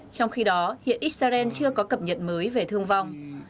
trong khi đó hiện israel chưa có cập nhật mới về thương vong